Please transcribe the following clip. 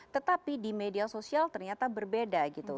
tetapi di media sosial ternyata berbeda gitu